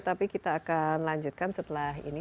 tapi kita akan lanjutkan setelah ini